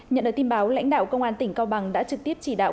nhận được tin báo lãnh đạo công an tỉnh cao bằng đã trực tiếp chỉ đạo